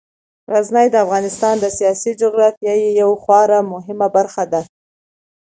غزني د افغانستان د سیاسي جغرافیې یوه خورا مهمه برخه ده.